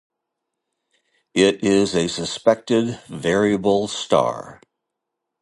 It is a suspected variable star.